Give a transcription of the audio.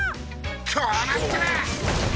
こうなったら！